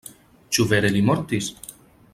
Ĉu vere li mortis?